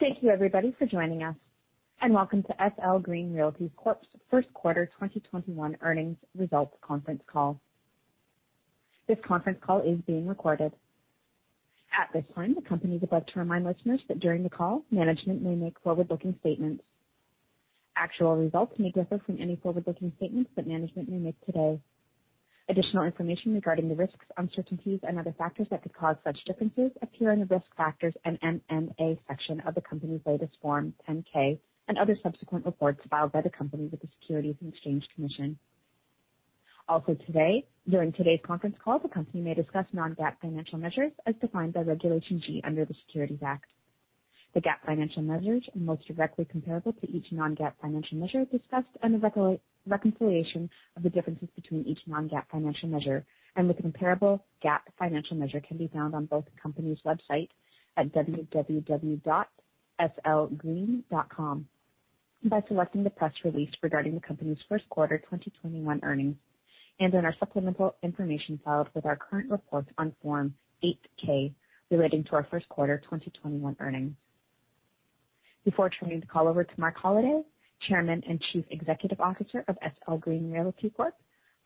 Thank you everybody for joining us, and welcome to SL Green Realty Corp.'s first quarter 2021 earnings results conference call. This conference call is being recorded. At this time, the company would like to remind listeners that during the call, management may make forward-looking statements. Actual results may differ from any forward-looking statements that management may make today. Additional information regarding the risks, uncertainties, and other factors that could cause such differences appear in the Risk Factors and MD&A section of the company's latest Form 10-K and other subsequent reports filed by the company with the Securities and Exchange Commission. Also today, during today's conference call, the company may discuss non-GAAP financial measures as defined by Regulation G under the Securities Act. The GAAP financial measures and most directly comparable to each non-GAAP financial measure discussed and the reconciliation of the differences between each non-GAAP financial measure and the comparable GAAP financial measure can be found on both the company's website at www.slgreen.com by selecting the press release regarding the company's first quarter 2021 earnings, and in our supplemental information filed with our current report on Form 8-K relating to our first quarter 2021 earnings. Before turning the call over to Marc Holliday, Chairman and Chief Executive Officer of SL Green Realty Corp,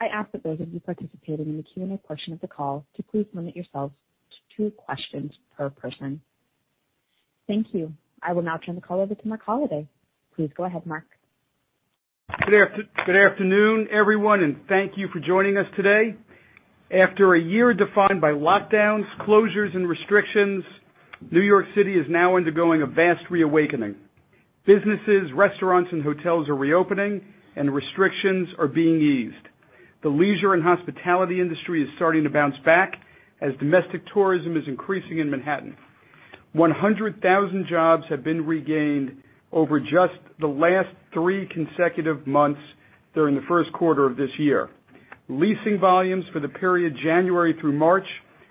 I ask that those of you participating in the Q&A portion of the call to please limit yourselves to two questions per person. Thank you. I will now turn the call over to Marc Holliday. Please go ahead, Marc. Good afternoon, everyone, and thank you for joining us today. After a year defined by lockdowns, closures, and restrictions, New York City is now undergoing a vast reawakening. Businesses, restaurants, and hotels are reopening, and restrictions are being eased. The leisure and hospitality industry is starting to bounce back as domestic tourism is increasing in Manhattan. 100,000 jobs have been regained over just the last three consecutive months during the first quarter of this year. Leasing volumes for the period January through March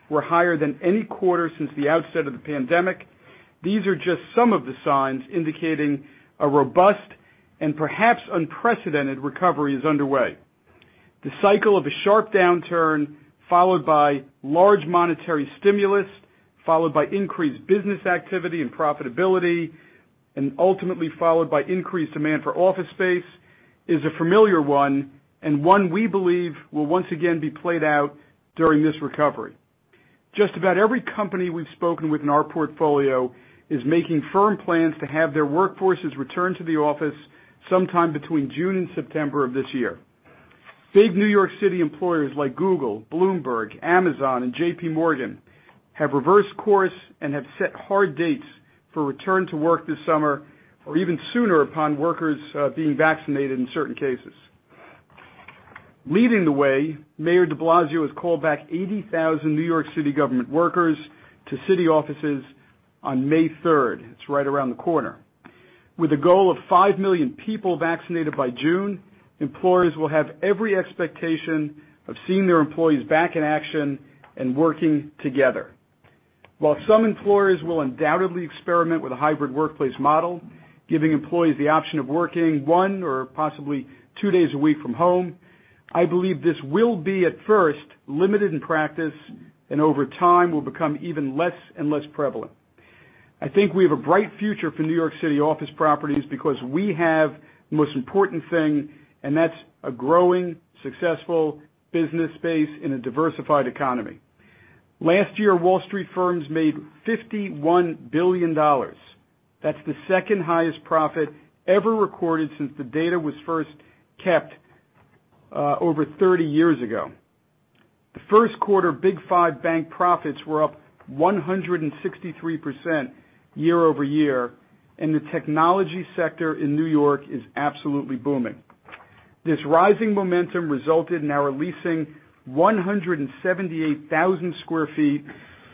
were higher than any quarter since the outset of the pandemic. These are just some of the signs indicating a robust and perhaps unprecedented recovery is underway. The cycle of a sharp downturn, followed by large monetary stimulus, followed by increased business activity and profitability, and ultimately followed by increased demand for office space, is a familiar one, and one we believe will once again be played out during this recovery. Just about every company we've spoken with in our portfolio is making firm plans to have their workforces return to the office sometime between June and September of this year. Big New York City employers like Google, Bloomberg, Amazon, and JPMorgan have reversed course and have set hard dates for return to work this summer, or even sooner upon workers being vaccinated in certain cases. Leading the way, Mayor de Blasio has called back 80,000 New York City government workers to city offices on May 3rd. It's right around the corner. With a goal of 5 million people vaccinated by June, employers will have every expectation of seeing their employees back in action and working together. While some employers will undoubtedly experiment with a hybrid workplace model, giving employees the option of working one or possibly two days a week from home, I believe this will be at first limited in practice and over time will become even less and less prevalent. I think we have a bright future for New York City office properties because we have the most important thing, and that's a growing, successful business space in a diversified economy. Last year, Wall Street firms made $51 billion. That's the second highest profit ever recorded since the data was first kept over 30 years ago. The first quarter Big Five bank profits were up 163% year-over-year, and the technology sector in New York is absolutely booming. This rising momentum resulted in our leasing 178,000 sq ft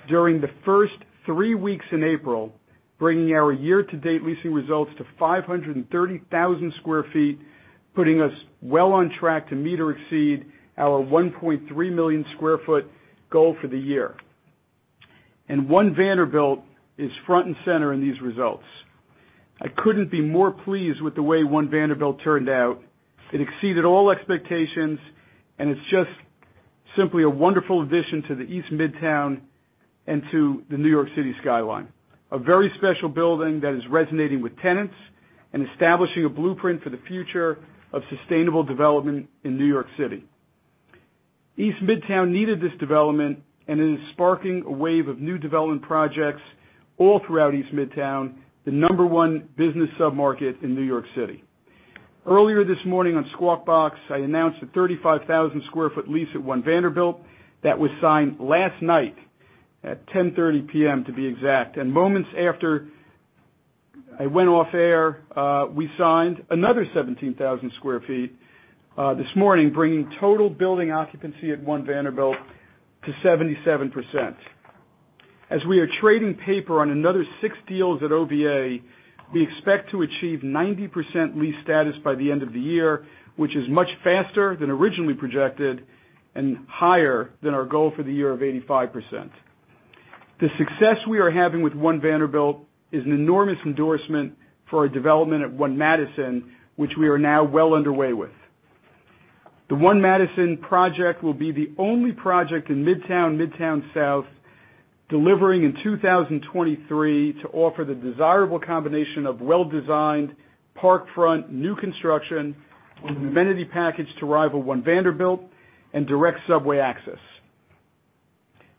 during the first three weeks in April, bringing our year-to-date leasing results to 530,000 sq ft, putting us well on track to meet or exceed our 1.3 million sq ft goal for the year. One Vanderbilt is front and center in these results. I couldn't be more pleased with the way One Vanderbilt turned out. It exceeded all expectations, and it's just simply a wonderful addition to the East Midtown and to the New York City skyline. A very special building that is resonating with tenants and establishing a blueprint for the future of sustainable development in New York City. East Midtown needed this development and it is sparking a wave of new development projects all throughout East Midtown, the number one business submarket in New York City. Earlier this morning on Squawk Box, I announced a 35,000 square foot lease at One Vanderbilt that was signed last night at 10:30 P.M. to be exact. Moments after I went off air, we signed another 17,000 square feet this morning, bringing total building occupancy at One Vanderbilt to 77%. As we are trading paper on another six deals at OVA, we expect to achieve 90% lease status by the end of the year, which is much faster than originally projected and higher than our goal for the year of 85%. The success we are having with One Vanderbilt is an enormous endorsement for our development at One Madison, which we are now well underway with. The One Madison project will be the only project in Midtown South, delivering in 2023 to offer the desirable combination of well-designed parkfront, new construction, with an amenity package to rival One Vanderbilt and direct subway access.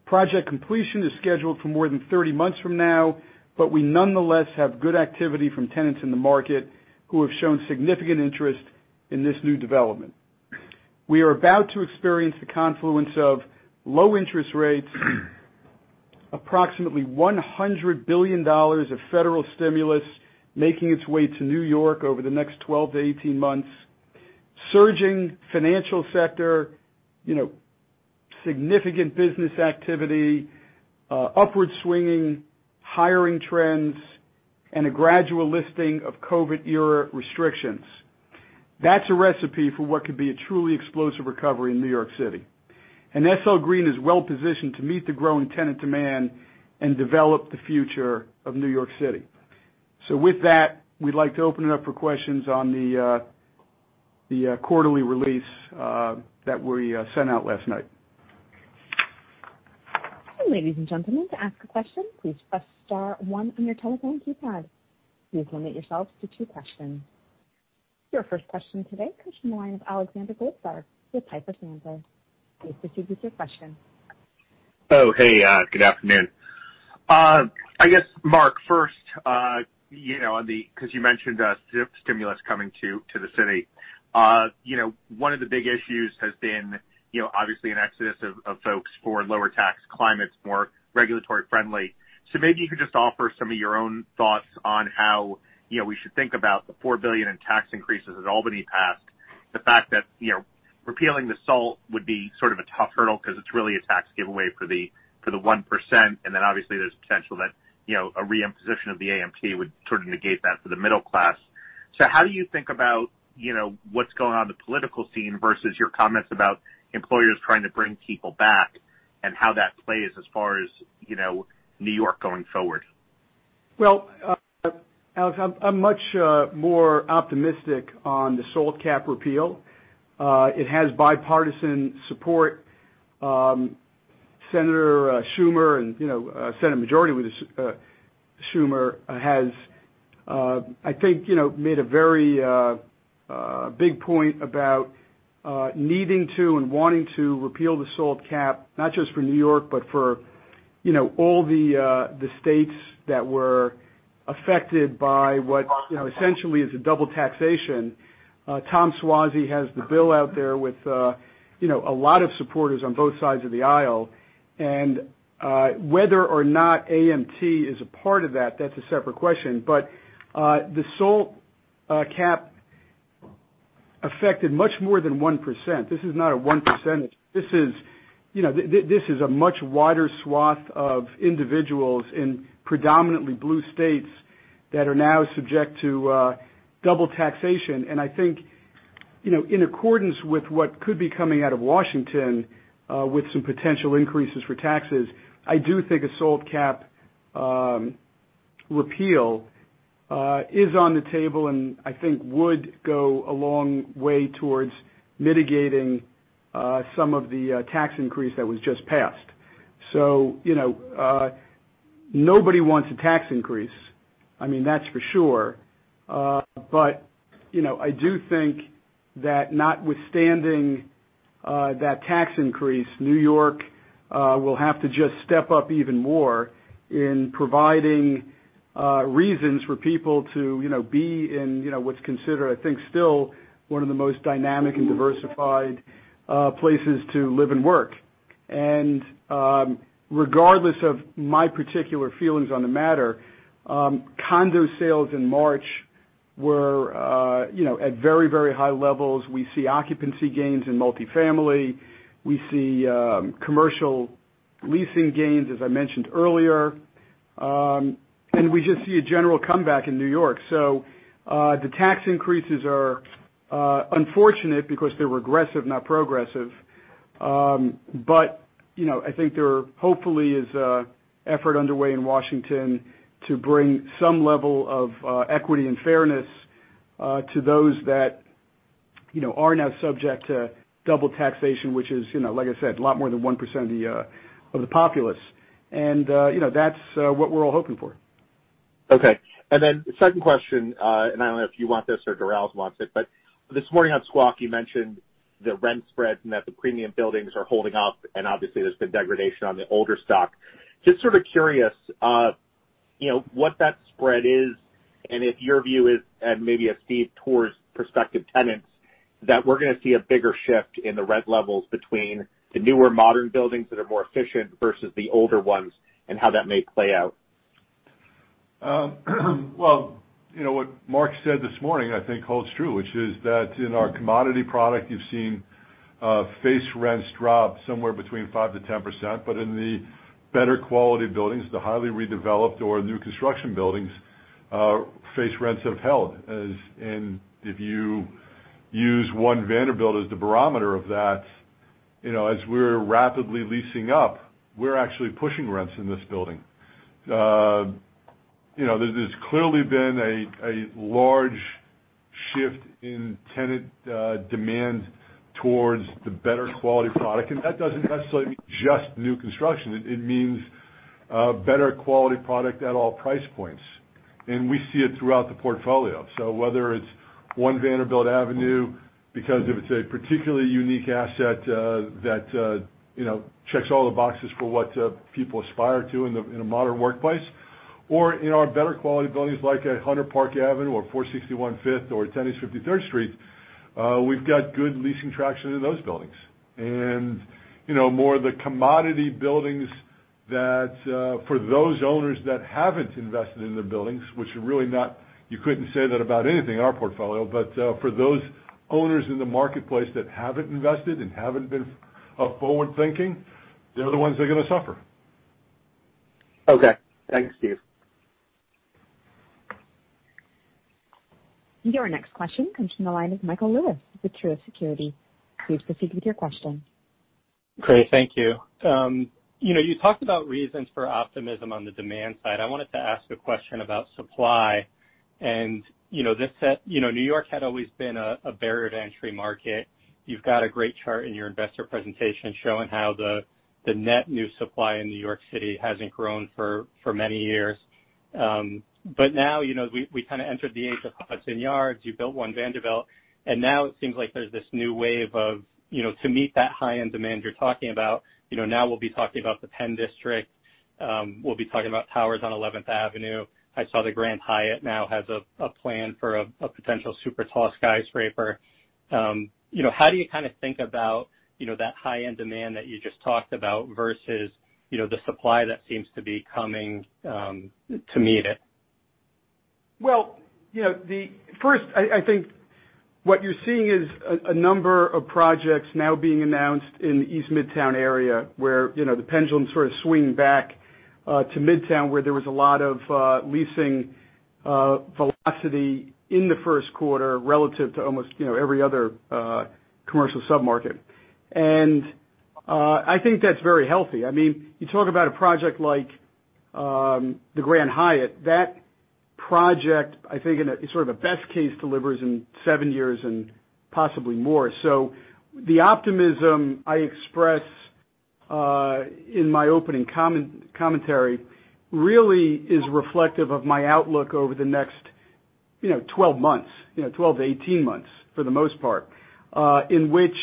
Project completion is scheduled for more than 30 months from now, but we nonetheless have good activity from tenants in the market who have shown significant interest in this new development. We are about to experience the confluence of low interest rates, approximately $100 billion of federal stimulus making its way to New York over the next 12-18 months, surging financial sector, significant business activity, upward swinging hiring trends, and a gradual lifting of COVID-era restrictions. That's a recipe for what could be a truly explosive recovery in New York City. SL Green is well-positioned to meet the growing tenant demand and develop the future of New York City. With that, we'd like to open it up for questions on the quarterly release that we sent out last night. Ladies and gentlemen, to ask a question, please press star one on your telephone keypad. Please limit yourselves to two questions. Your first question today comes from the line of Alexander Goldfarb with Piper Sandler. Please proceed with your question. Oh, hey, good afternoon. I guess, Marc, first, because you mentioned stimulus coming to the city. One of the big issues has been, obviously an exodus of folks for lower tax climates, more regulatory friendly. Maybe you could just offer some of your own thoughts on how we should think about the $4 billion in tax increases that Albany passed. The fact that repealing the SALT would be sort of a tough hurdle because it's really a tax giveaway for the 1%, and then obviously there's potential that a re-imposition of the AMT would sort of negate that for the middle class. How do you think about what's going on in the political scene versus your comments about employers trying to bring people back and how that plays as far as New York going forward? Well, Alex, I am much more optimistic on the SALT cap repeal. It has bipartisan support. Senator Schumer and Senate Majority Leader Schumer has, I think, made a very big point about needing to and wanting to repeal the SALT cap, not just for New York, but for all the states that were affected by what essentially is a double taxation. Tom Suozzi has the bill out there with a lot of supporters on both sides of the aisle. Whether or not AMT is a part of that's a separate question. The SALT cap affected much more than 1%. This is not a one percentage. This is a much wider swath of individuals in predominantly blue states that are now subject to double taxation. I think, in accordance with what could be coming out of Washington, with some potential increases for taxes, I do think a SALT cap repeal is on the table, and I think would go a long way towards mitigating some of the tax increase that was just passed. Nobody wants a tax increase. I mean, that's for sure. I do think that notwithstanding that tax increase, New York will have to just step up even more in providing reasons for people to be in what's considered, I think, still one of the most dynamic and diversified places to live and work. Regardless of my particular feelings on the matter, condo sales in March were at very, very high levels. We see occupancy gains in multi-family. We see commercial leasing gains, as I mentioned earlier. We just see a general comeback in New York. The tax increases are unfortunate because they're regressive, not progressive. I think there hopefully is effort underway in Washington to bring some level of equity and fairness to those that are now subject to double taxation, which is, like I said, a lot more than 1% of the populace. That's what we're all hoping for. Okay. Second question, and I don't know if you want this or Durels wants it, but this morning on Squawk you mentioned the rent spreads and that the premium buildings are holding up, and obviously there's been degradation on the older stock. Just sort of curious, what that spread is, and if your view is, and maybe of Steve, towards prospective tenants, that we're going to see a bigger shift in the rent levels between the newer modern buildings that are more efficient versus the older ones, and how that may play out. Well, what Marc Holliday said this morning I think holds true, which is that in our commodity product, you've seen face rents drop somewhere between 5%-10%, but in the better quality buildings, the highly redeveloped or new construction buildings, face rents have held. If you use One Vanderbilt as the barometer of that, as we're rapidly leasing up, we're actually pushing rents in this building. There's clearly been a large shift in tenant demand towards the better quality product, and that doesn't necessarily mean just new construction. It means a better quality product at all price points. We see it throughout the portfolio. Whether it's One Vanderbilt Avenue, because if it's a particularly unique asset that checks all the boxes for what people aspire to in a modern workplace, or in our better quality buildings like at 100 Park Avenue or 461 Fifth or 10 East 53rd Street, we've got good leasing traction in those buildings. More the commodity buildings that for those owners that haven't invested in their buildings, which you couldn't say that about anything in our portfolio, but for those owners in the marketplace that haven't invested and haven't been forward thinking, they're the ones that are going to suffer. Okay. Thanks, Steven Durels. Your next question comes from the line of Michael Lewis with Truist Securities. Please proceed with your question. Great. Thank you. You talked about reasons for optimism on the demand side. New York had always been a barrier to entry market. You've got a great chart in your investor presentation showing how the net new supply in New York City hasn't grown for many years. Now, we kind of entered the age of Hudson Yards. You built One Vanderbilt, now it seems like there's this new wave of, to meet that high-end demand you're talking about, now we'll be talking about the Penn District. We'll be talking about towers on 11th Avenue. I saw the Grand Hyatt now has a plan for a potential super tall skyscraper. How do you kind of think about that high-end demand that you just talked about versus the supply that seems to be coming to meet it? Well, first, I think what you're seeing is a number of projects now being announced in the East Midtown area, where the pendulum sort of swinging back to Midtown, where there was a lot of leasing velocity in the first quarter relative to almost every other commercial sub-market. I think that's very healthy. You talk about a project like the Grand Hyatt. That project, I think in a sort of a best case delivers in seven years and possibly more. The optimism I expressed in my opening commentary really is reflective of my outlook over the next 12 to 18 months, for the most part, in which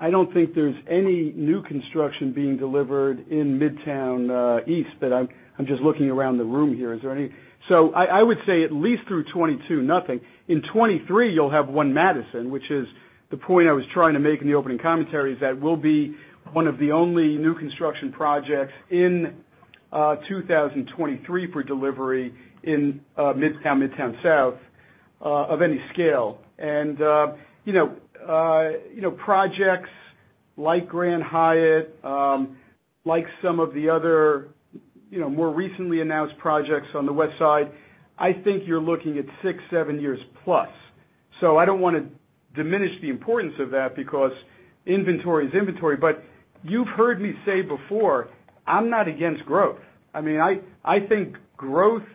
I don't think there's any new construction being delivered in Midtown East. I'm just looking around the room here. Is there any? I would say at least through 2022, nothing. In 2023, you'll have One Madison, which is the point I was trying to make in the opening commentary, is that we'll be one of the only new construction projects in 2023 for delivery in Midtown South of any scale. Projects like Grand Hyatt, like some of the other more recently announced projects on the West Side, I think you're looking at six, seven years plus. I don't want to diminish the importance of that because inventory is inventory, but you've heard me say before, I'm not against growth. I think growth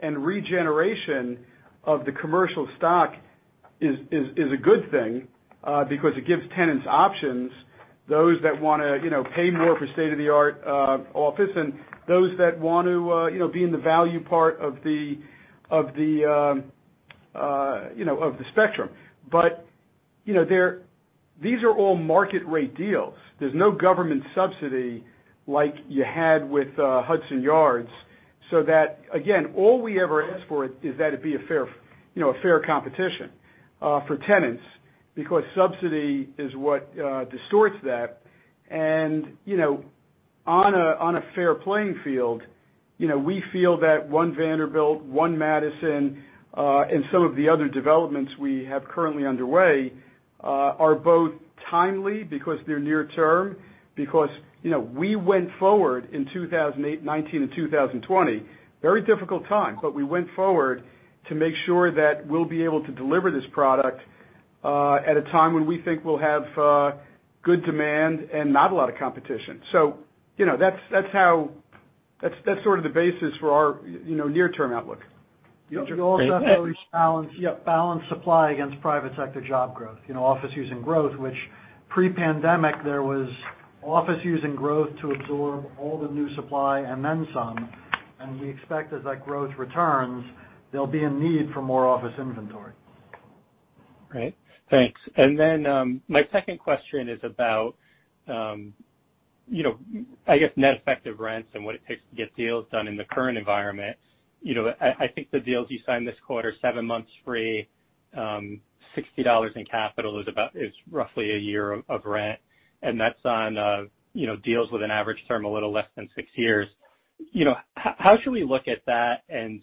and regeneration of the commercial stock is a good thing because it gives tenants options. Those that want to pay more for state-of-the-art office and those that want to be in the value part of the spectrum. These are all market rate deals. There's no government subsidy like you had with Hudson Yards. That, again, all we ever ask for is that it be a fair competition for tenants, because subsidy is what distorts that. On a fair playing field, we feel that One Vanderbilt, One Madison, and some of the other developments we have currently underway, are both timely because they're near term. We went forward in 2019 and 2020, very difficult time, but we went forward to make sure that we'll be able to deliver this product at a time when we think we'll have good demand and not a lot of competition. That's sort of the basis for our near-term outlook. Great. You also have to balance supply against private sector job growth, office using growth, which pre-pandemic there was office using growth to absorb all the new supply and then some, and we expect as that growth returns, there'll be a need for more office inventory. Great. Thanks. My second question is about I guess net effective rents and what it takes to get deals done in the current environment. I think the deals you signed this quarter, seven months free, $60 in capital is roughly a year of rent. That's on deals with an average term, a little less than six years. How should we look at that and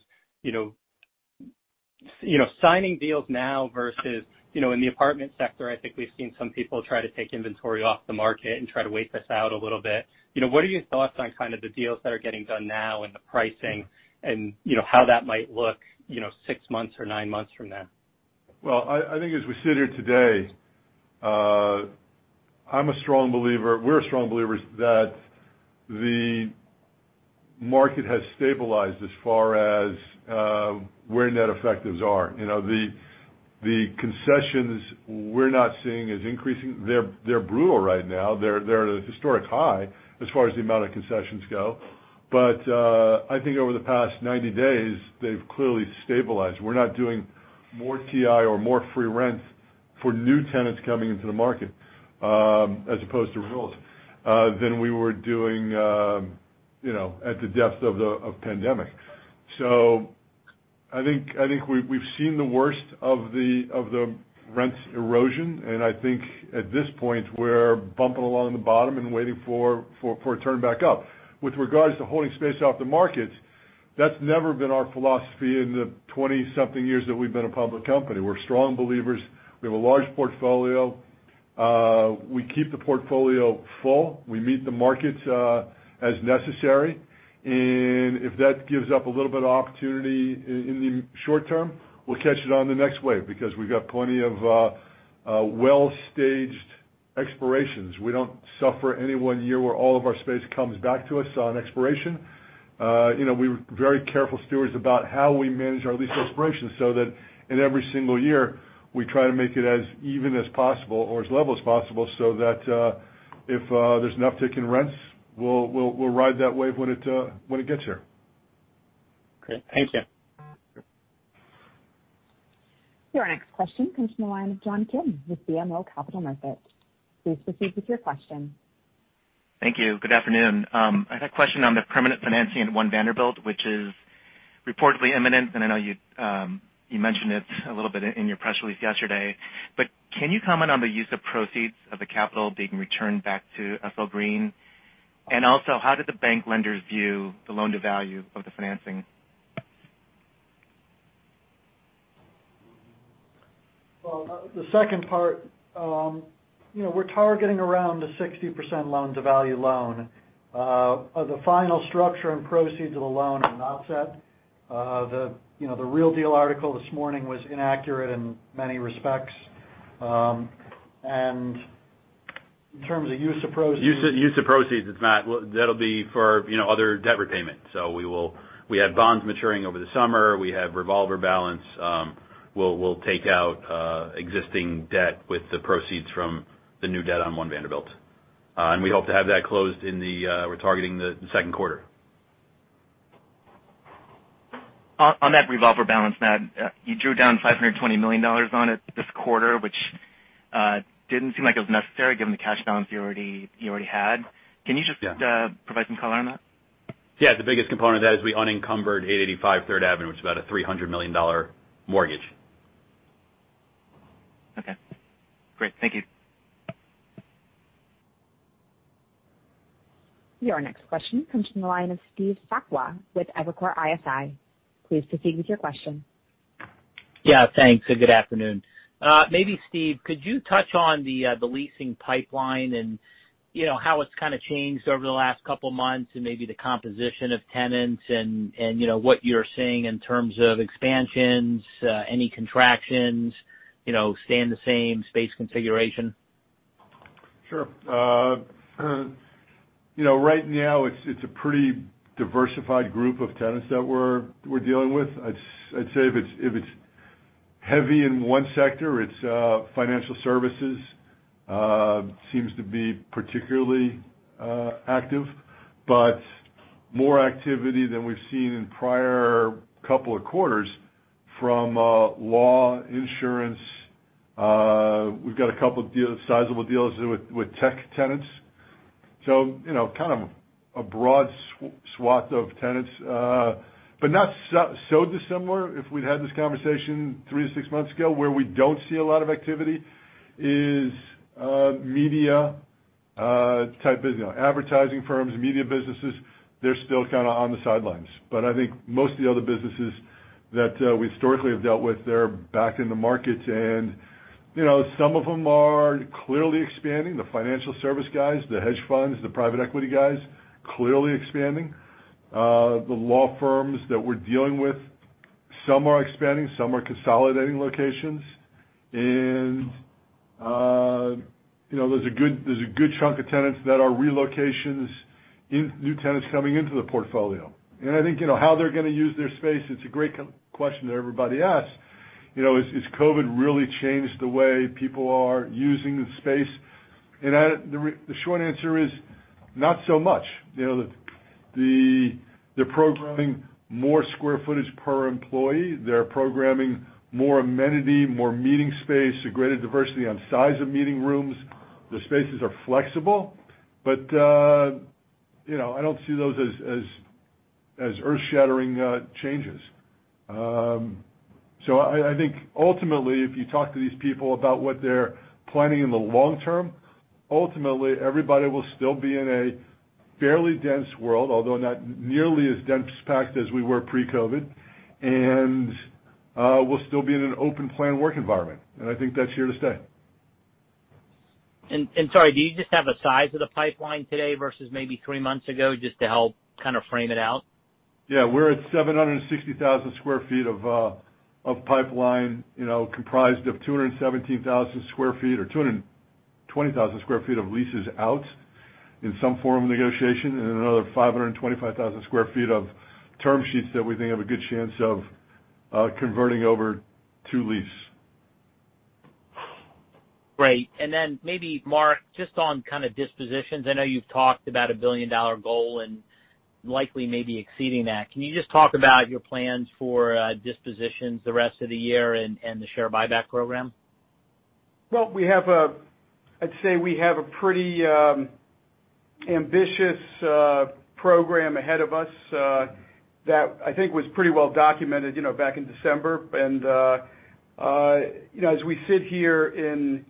signing deals now versus in the apartment sector, I think we've seen some people try to take inventory off the market and try to wait this out a little bit. What are your thoughts on kind of the deals that are getting done now and the pricing, and how that might look six months or nine months from now? I think as we sit here today I'm a strong believer, we're strong believers, that the market has stabilized as far as where net effectives are. The concessions we're not seeing is increasing. They're brutal right now. They're at a historic high as far as the amount of concessions go. I think over the past 90 days, they've clearly stabilized. We're not doing more TI or more free rent for new tenants coming into the market, as opposed to renewals, than we were doing at the depth of pandemic. I think we've seen the worst of the rent erosion, and I think at this point we're bumping along the bottom and waiting for a turn back up. With regards to holding space off the market, that's never been our philosophy in the 20-something years that we've been a public company. We're strong believers. We have a large portfolio. We keep the portfolio full. We meet the market as necessary. If that gives up a little bit of opportunity in the short term, we'll catch it on the next wave, because we've got plenty of well-staged expirations. We don't suffer any one year where all of our space comes back to us on expiration. We're very careful stewards about how we manage our lease expirations so that in every single year, we try to make it as even as possible or as level as possible, so that if there's an uptick in rents, we'll ride that wave when it gets here. Great. Thank you. Your next question comes from the line of John Kim with BMO Capital Markets. Please proceed with your question. Thank you. Good afternoon. I had a question on the permanent financing at One Vanderbilt, which is reportedly imminent, and I know you mentioned it a little bit in your press release yesterday. Can you comment on the use of proceeds of the capital being returned back to SL Green? And also, how did the bank lenders view the loan-to-value of the financing? Well, the second part, we're targeting around a 60% loan-to-value loan. The final structure and proceeds of the loan are not set. The Real Deal article this morning was inaccurate in many respects. In terms of use of proceeds- Use of proceeds, it's Matt. That'll be for other debt repayment. We have bonds maturing over the summer. We have revolver balance. We'll take out existing debt with the proceeds from the new debt on One Vanderbilt. We hope to have that closed. We're targeting the second quarter. On that revolver balance, Matt, you drew down $520 million on it this quarter, which didn't seem like it was necessary given the cash balance you already had. Yeah provide some color on that? Yeah. The biggest component of that is we unencumbered 885 Third Avenue, which is about a $300 million mortgage. Okay. Great. Thank you. Your next question comes from the line of Steve Sakwa with Evercore ISI. Please proceed with your question. Yeah, thanks, and good afternoon. Maybe Steve, could you touch on the leasing pipeline and how it's kind of changed over the last couple of months and maybe the composition of tenants and what you're seeing in terms of expansions, any contractions, stay in the same space configuration? Sure. Right now, it's a pretty diversified group of tenants that we're dealing with. I'd say if it's heavy in one sector, it's financial services. Seems to be particularly active, but more activity than we've seen in prior couple of quarters from law, insurance. We've got a couple sizable deals with tech tenants. Kind of a broad swath of tenants. Not so dissimilar if we'd had this conversation three to six months ago. Where we don't see a lot of activity is media type business. Advertising firms, media businesses, they're still kind of on the sidelines. I think most of the other businesses that we historically have dealt with, they're back in the market and some of them are clearly expanding. The financial service guys, the hedge funds, the private equity guys, clearly expanding. The law firms that we're dealing with, some are expanding, some are consolidating locations. There's a good chunk of tenants that are relocations, new tenants coming into the portfolio. I think how they're going to use their space, it's a great question that everybody asks. Has COVID really changed the way people are using the space? The short answer is not so much. They're programming more square footage per employee. They're programming more amenity, more meeting space, a greater diversity on size of meeting rooms. The spaces are flexible. I don't see those as earth-shattering changes. I think ultimately, if you talk to these people about what they're planning in the long term, ultimately, everybody will still be in a fairly dense world, although not nearly as dense packed as we were pre-COVID, and we'll still be in an open plan work environment. I think that's here to stay. Sorry, do you just have a size of the pipeline today versus maybe three months ago, just to help kind of frame it out? Yeah, we're at 760,000 sq ft of pipeline, comprised of 217,000 sq ft or 220,000 sq ft of leases out in some form of negotiation, and another 525,000 sq ft of term sheets that we think have a good chance of converting over to lease. Great. Maybe Marc, just on kind of dispositions, I know you've talked about a billion-dollar goal and likely maybe exceeding that. Can you just talk about your plans for dispositions the rest of the year and the share buyback program? Well, I'd say we have a pretty ambitious program ahead of us that I think was pretty well documented back in December. As we sit here in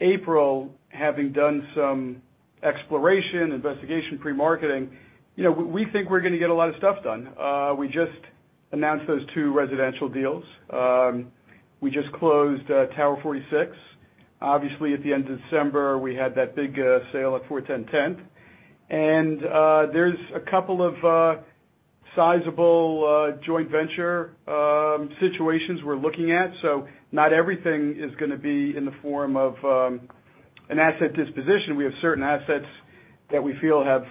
April, having done some exploration, investigation, pre-marketing, we think we're going to get a lot of stuff done. We just announced those two residential deals. We just closed Tower 46. Obviously, at the end of December, we had that big sale at 410 10th. There's a couple of sizable joint venture situations we're looking at. Not everything is going to be in the form of an asset disposition. We have certain assets that we feel have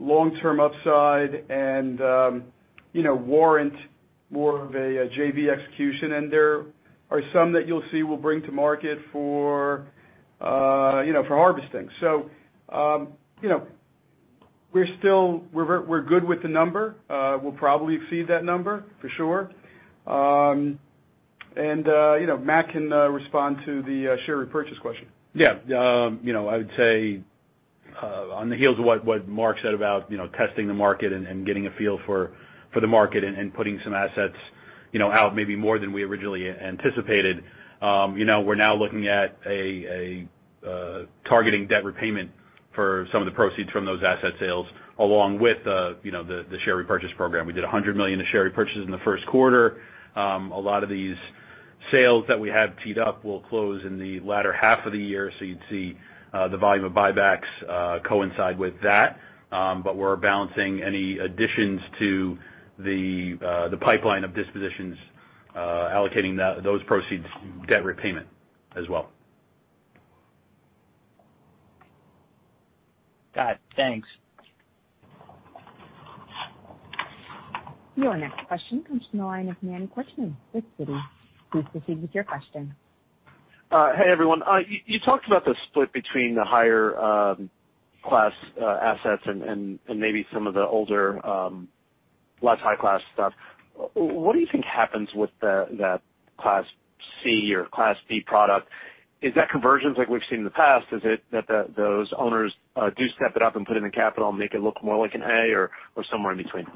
long-term upside and warrant more of a JV execution. There are some that you'll see we'll bring to market for harvesting. We're good with the number. We'll probably exceed that number for sure. Matt can respond to the share repurchase question. I would say on the heels of what Marc said about testing the market and getting a feel for the market and putting some assets out, maybe more than we originally anticipated. We're now looking at targeting debt repayment for some of the proceeds from those asset sales, along with the share repurchase program. We did $100 million of share repurchases in the first quarter. A lot of these sales that we have teed up will close in the latter half of the year. You'd see the volume of buybacks coincide with that. We're balancing any additions to the pipeline of dispositions allocating those proceeds to debt repayment as well. Got it. Thanks. Your next question comes from the line of Manny Korchman with Citi. Please proceed with your question. Hey, everyone. You talked about the split between the higher class assets and maybe some of the older less high class stuff. What do you think happens with that Class C or Class D product? Is that conversions like we've seen in the past? Is it that those owners do step it up and put in the capital and make it look more like an A or somewhere in between?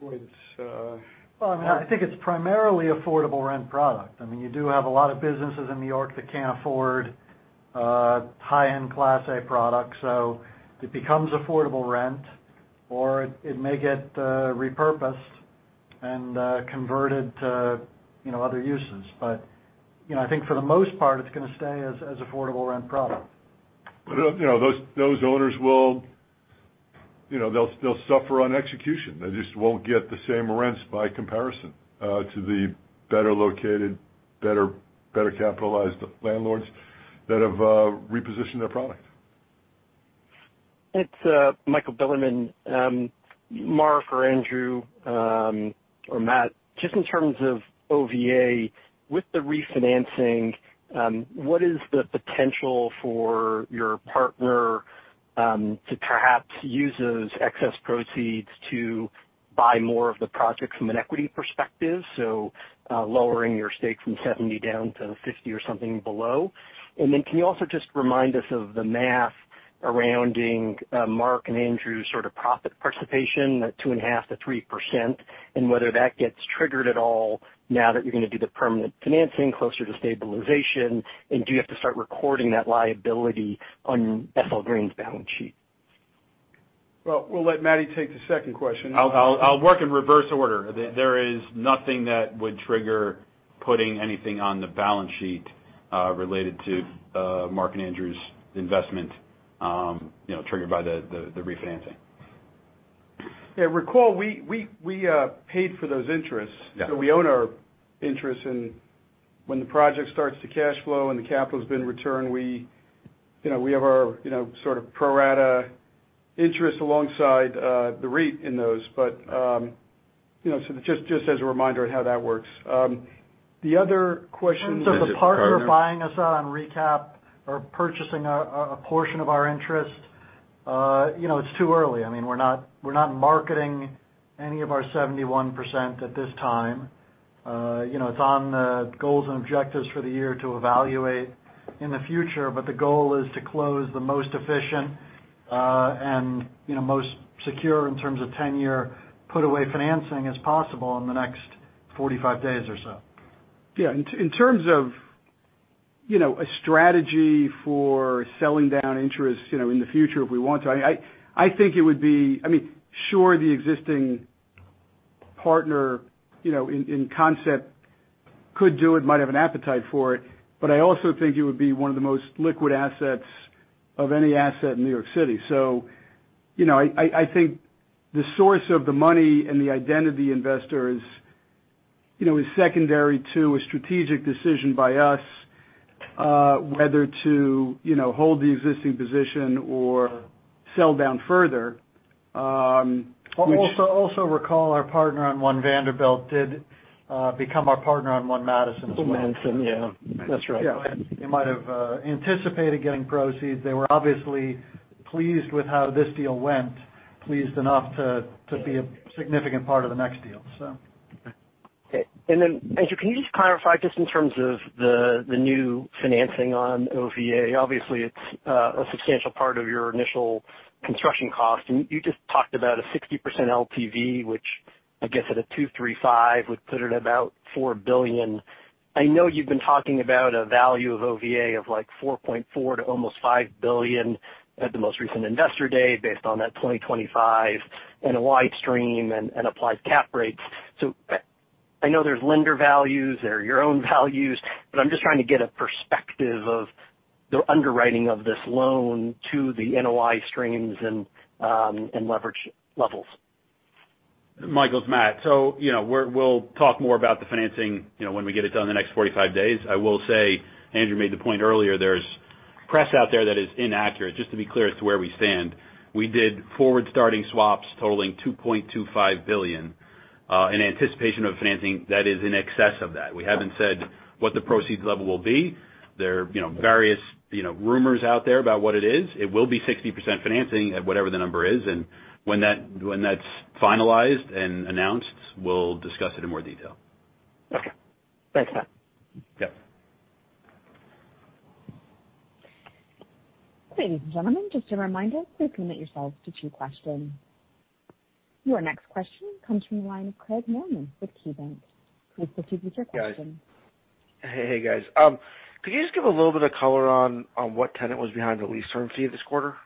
Well, I think it's primarily affordable rent product. You do have a lot of businesses in New York that can't afford high-end Class A product. It becomes affordable rent, or it may get repurposed and converted to other uses. I think for the most part, it's going to stay as affordable rent product. Those owners will still suffer on execution. They just won't get the same rents by comparison to the better located, better capitalized landlords that have repositioned their product. It's Michael Bilerman. Marc or Andrew, or Matt, just in terms of OVA, with the refinancing, what is the potential for your partner to perhaps use those excess proceeds to buy more of the project from an equity perspective, so lowering your stake from 70 down to 50 or something below? Can you also just remind us of the math around Marc and Andrew's sort of profit participation, that 2.5% to 3%, and whether that gets triggered at all now that you're going to do the permanent financing closer to stabilization, and do you have to start recording that liability on SL Green's balance sheet? Well, we'll let Matty take the second question. I'll work in reverse order. There is nothing that would trigger putting anything on the balance sheet related to Marc and Andrew's investment triggered by the refinancing. Yeah. Recall, we paid for those interests. Yeah. We own our interests, and when the project starts to cash flow and the capital's been returned, we have our sort of pro rata interest alongside the REIT in those. Just as a reminder of how that works. In terms of the partner buying us out on recap or purchasing a portion of our interest, it's too early. We're not marketing any of our 71% at this time. It's on the goals and objectives for the year to evaluate in the future, but the goal is to close the most efficient and most secure in terms of 10-year put away financing as possible in the next 45 days or so. Yeah. In terms of a strategy for selling down interests in the future if we want to, Sure, the existing partner in concept could do it, might have an appetite for it, but I also think it would be one of the most liquid assets of any asset in New York City. I think the source of the money and the identity investor is secondary to a strategic decision by us, whether to hold the existing position or sell down further. Also recall our partner on One Vanderbilt did become our partner on One Madison as well. One Madison, yeah. That's right. They might have anticipated getting proceeds. They were obviously pleased with how this deal went, pleased enough to be a significant part of the next deal. Okay. Andrew, can you just clarify just in terms of the new financing on OVA? Obviously, it's a substantial part of your initial construction cost, and you just talked about a 60% LTV, which I guess at a $235 would put it about $4 billion. I know you've been talking about a value of OVA of like $4.4 billion to almost $5 billion at the most recent investor day based on that 2025 NOI stream and applied cap rates. I know there's lender values, there are your own values, but I'm just trying to get a perspective of the underwriting of this loan to the NOI streams and leverage levels. Michael Bilerman, it's Matthew DiLiberto. We'll talk more about the financing when we get it done in the next 45 days. I will say, Andrew Mathias made the point earlier, there's press out there that is inaccurate. Just to be clear as to where we stand. We did forward-starting swaps totaling $2.25 billion, in anticipation of financing that is in excess of that. We haven't said what the proceeds level will be. There are various rumors out there about what it is. It will be 60% financing at whatever the number is, and when that's finalized and announced, we'll discuss it in more detail. Okay. Thanks, Matt. Yep. Ladies and gentlemen, just a reminder to limit yourselves to two questions. Your next question comes from the line of Craig Mailman with KeyBanc. Please proceed with your question. Hey, guys. Could you just give a little bit of color on what tenant was behind the lease term fee this quarter?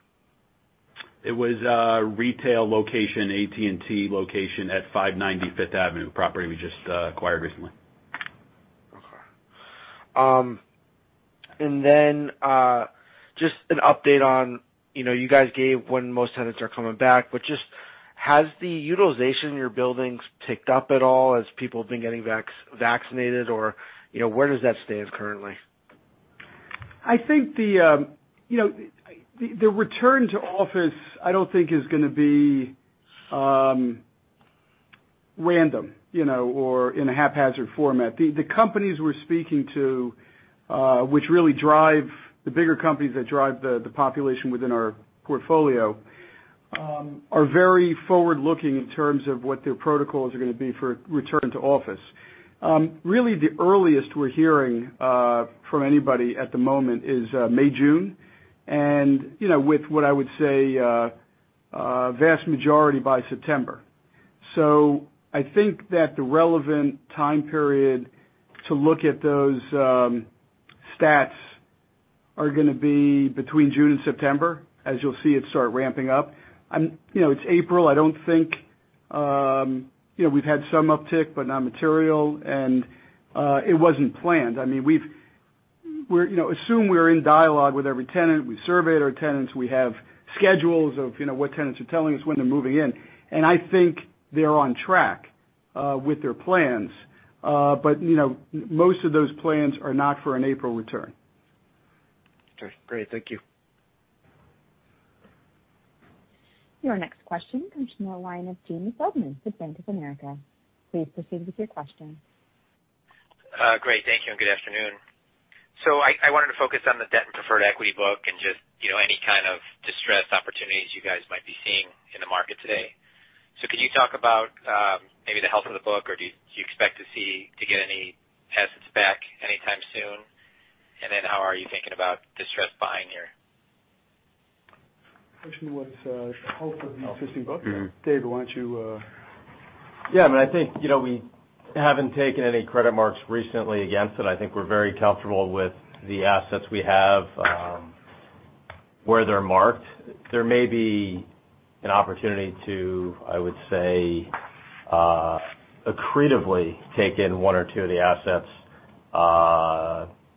It was a retail location, AT&T location at 590 Fifth Avenue, property we just acquired recently. Okay. Just an update on, you guys gave when most tenants are coming back, but just has the utilization in your buildings picked up at all as people have been getting vaccinated or where does that stand currently? I think the return to office, I don't think is going to be random or in a haphazard format. The companies we're speaking to, which really drive the bigger companies that drive the population within our portfolio, are very forward-looking in terms of what their protocols are going to be for return to office. Really the earliest we're hearing from anybody at the moment is May, June, and with what I would say, a vast majority by September. I think that the relevant time period to look at those stats are going to be between June and September, as you'll see it start ramping up. It's April. I don't think we've had some uptick, but not material and it wasn't planned. We assume we're in dialogue with every tenant. We surveyed our tenants. We have schedules of what tenants are telling us when they're moving in. I think they're on track with their plans. Most of those plans are not for an April return. Okay, great. Thank you. Your next question comes from the line of James Feldman with Bank of America. Please proceed with your question. Great. Thank you, and good afternoon. I wanted to focus on the debt and preferred equity book and just any kind of distressed opportunities you guys might be seeing in the market today. Could you talk about maybe the health of the book, or do you expect to get any assets back anytime soon? How are you thinking about distressed buying here? Question was health of the existing book. David, why don't you? Yeah, I think, we haven't taken any credit marks recently against it. I think we're very comfortable with the assets we have, where they're marked. There may be an opportunity to, I would say, accretively take in one or two of the assets.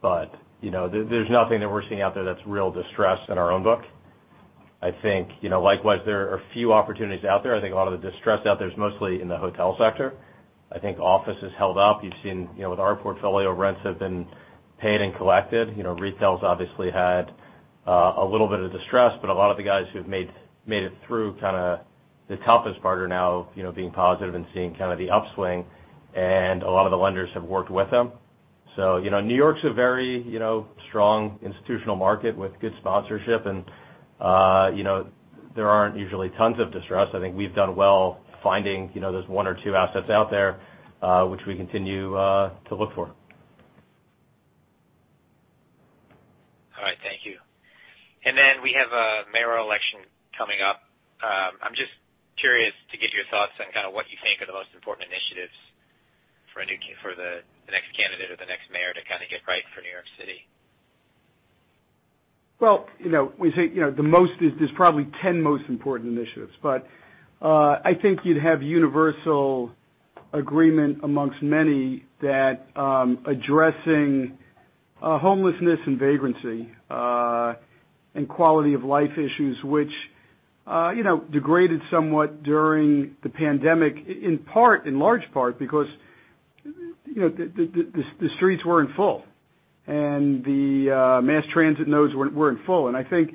There's nothing that we're seeing out there that's real distressed in our own book. I think likewise, there are few opportunities out there. I think a lot of the distress out there is mostly in the hotel sector. I think office has held up. You've seen with our portfolio, rents have been paid and collected. Retail's obviously had a little bit of distress, but a lot of the guys who've made it through the toughest part are now being positive and seeing the upswing. A lot of the lenders have worked with them. New York's a very strong institutional market with good sponsorship and there aren't usually tons of distress. I think we've done well finding those one or two assets out there, which we continue to look for. All right. Thank you. We have a mayoral election coming up. I'm just curious to get your thoughts on what you think are the most important initiatives for the next candidate or the next mayor to get right for New York City? Well, there's probably 10 most important initiatives. I think you'd have universal agreement amongst many that addressing homelessness and vagrancy, and quality of life issues, which degraded somewhat during the pandemic, in large part because the streets were in full, and the mass transit nodes were in full. I think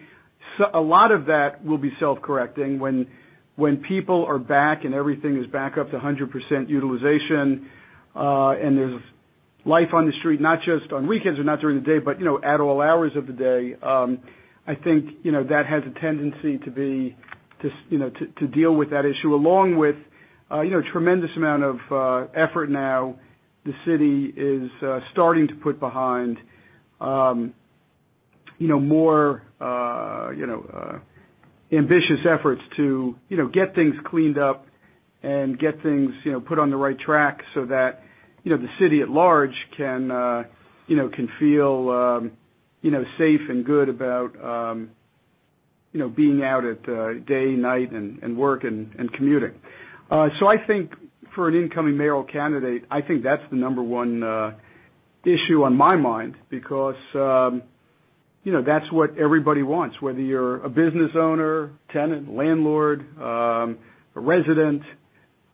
a lot of that will be self-correcting when people are back and everything is back up to 100% utilization, and there's life on the street, not just on weekends or not during the day, but at all hours of the day. I think that has a tendency to deal with that issue along with a tremendous amount of effort now, the city is starting to put behind more ambitious efforts to get things cleaned up and get things put on the right track so that the city at large can feel safe and good about being out at day, night, and work, and commuting. I think for an incoming mayoral candidate, I think that's the number one issue on my mind because that's what everybody wants, whether you're a business owner, tenant, landlord, a resident,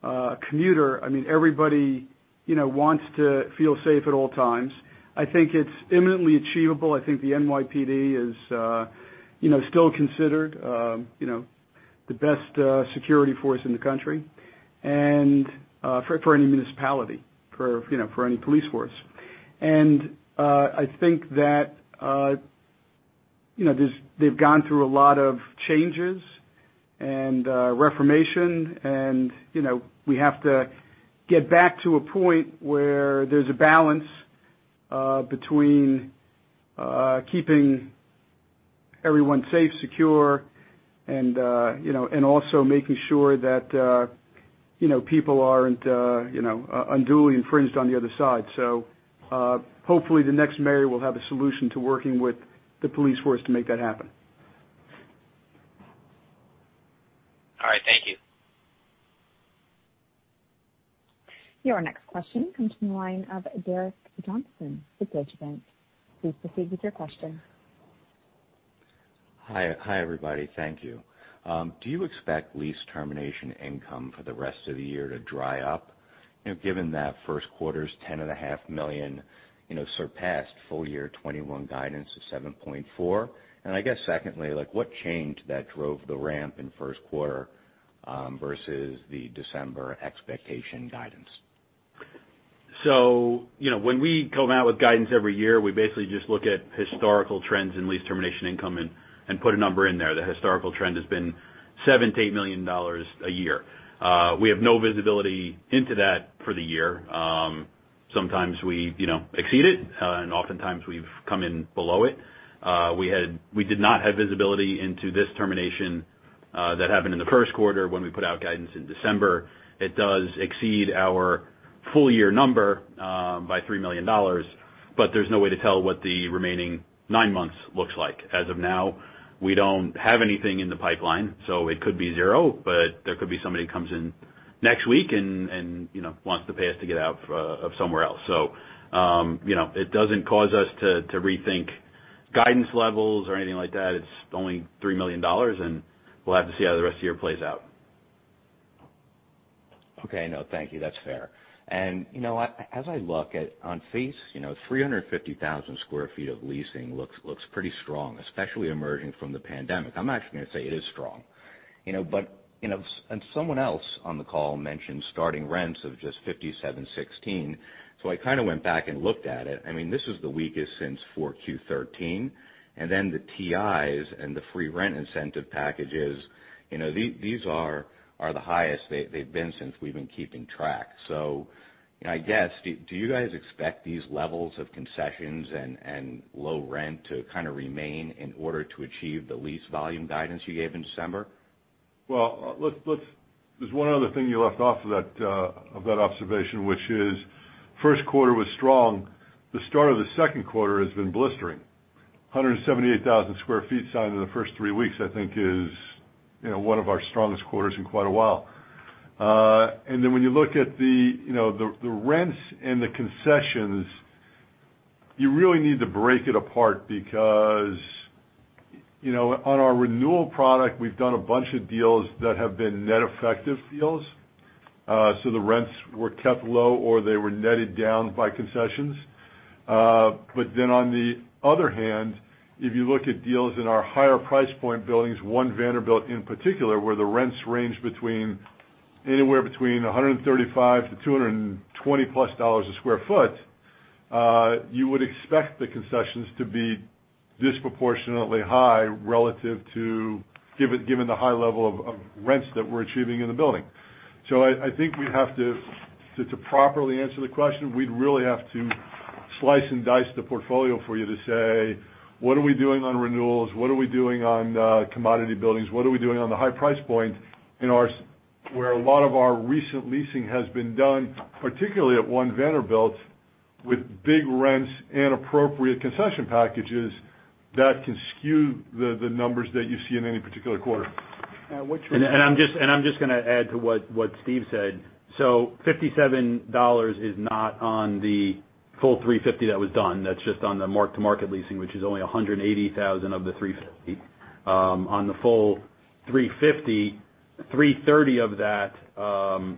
a commuter. Everybody wants to feel safe at all times. I think it's imminently achievable. I think the NYPD is still considered the best security force in the country for any municipality, for any police force. I think that they've gone through a lot of changes and reformation, and we have to get back to a point where there's a balance between keeping everyone safe, secure, and also making sure that people aren't unduly infringed on the other side. Hopefully, the next mayor will have a solution to working with the police force to make that happen. All right. Thank you. Your next question comes from the line of Derek Johnston with Deutsche Bank. Please proceed with your question. Hi. Hi, everybody. Thank you. Do you expect lease termination income for the rest of the year to dry up, given that first quarter's $10.5 million surpassed full year 2021 guidance of $7.4? I guess secondly, what changed that drove the ramp in first quarter versus the December expectation guidance? When we come out with guidance every year, we basically just look at historical trends in lease termination income and put a number in there. The historical trend has been $7 million-$8 million a year. We have no visibility into that for the year. Sometimes we exceed it, and oftentimes we've come in below it. We did not have visibility into this termination that happened in the first quarter when we put out guidance in December. It does exceed our full year number by $3 million, but there's no way to tell what the remaining nine months looks like. As of now, we don't have anything in the pipeline, so it could be zero, but there could be somebody who comes in next week and wants to pay us to get out of somewhere else. It doesn't cause us to rethink guidance levels or anything like that. It's only $3 million, and we'll have to see how the rest of the year plays out. Okay. No, thank you. That's fair. As I look at, on face, 350,000 square feet of leasing looks pretty strong, especially emerging from the pandemic. I'm actually going to say it is strong. Someone else on the call mentioned starting rents of just $57.16. I kind of went back and looked at it. This is the weakest since 4Q13, and then the TIs and the free rent incentive packages, these are the highest they've been since we've been keeping track. I guess, do you guys expect these levels of concessions and low rent to kind of remain in order to achieve the lease volume guidance you gave in December? Well, there's one other thing you left off of that observation, which is first quarter was strong. The start of the second quarter has been blistering. 178,000 square feet signed in the first three weeks, I think is one of our strongest quarters in quite a while. When you look at the rents and the concessions, you really need to break it apart because on our renewal product, we've done a bunch of deals that have been net effective deals. The rents were kept low or they were netted down by concessions. On the other hand, if you look at deals in our higher price point buildings, one Vanderbilt in particular, where the rents range anywhere between $135-$220+ per sq ft, you would expect the concessions to be disproportionately high relative to given the high level of rents that we're achieving in the building. I think to properly answer the question, we'd really have to slice and dice the portfolio for you to say, what are we doing on renewals? What are we doing on commodity buildings? What are we doing on the high price point where a lot of our recent leasing has been done, particularly at One Vanderbilt with big rents and appropriate concession packages, that can skew the numbers that you see in any particular quarter. I'm just going to add to what Steve said. $57 is not on the full 350 that was done. That's just on the mark-to-market leasing, which is only 180,000 of the 350. On the full 350, 330 of that